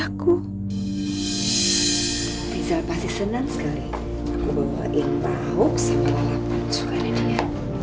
aku bawain pahuk sama lelapun suka ini dia